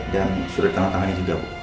dan surat tangan tangannya juga bu